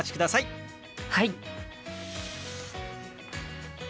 はい。